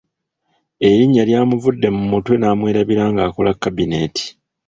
Erinnya lyamuvudde mu mutwe n’amwerabira ng’akola kabineeti.